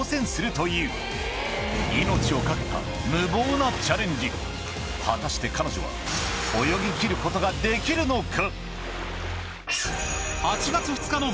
なんと再び果たして彼女は泳ぎきることができるのか⁉